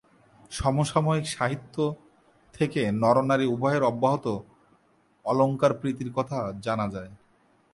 সমসাময়িক সাহিত্য থেকে নরনারী উভয়ের অব্যাহত অলঙ্কার প্রীতির কথা জানা যায়।